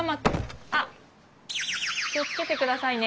あっ気を付けてくださいね。